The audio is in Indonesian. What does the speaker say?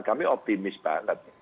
kami optimis banget